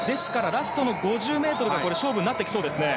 ラストの５０ｍが勝負になってきそうですね。